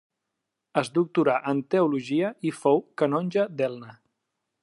Es doctorà en teologia i fou canonge d'Elna.